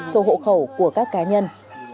số hộ khẩu của các cá nhân